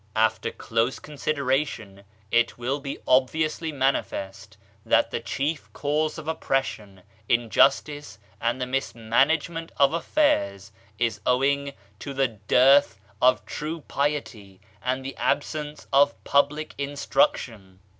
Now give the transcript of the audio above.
After close consideration, it will be obviously manifest that the chief cause of oppression, in justice and the mismanagement of affairs is owing to the dearth of true piety, and the absence of pub lic instruction.